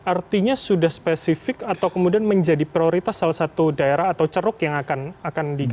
artinya sudah spesifik atau kemudian menjadi prioritas salah satu daerah atau ceruk yang akan dijadikan